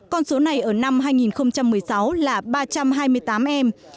con số này ở năm hai nghìn một mươi sáu là ba trăm hai mươi tám em